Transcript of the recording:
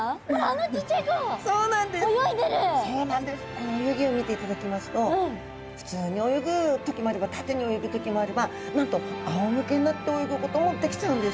この泳ぎを見ていただきますと普通に泳ぐ時もあれば縦に泳ぐ時もあればなんとあおむけになって泳ぐこともできちゃうんです。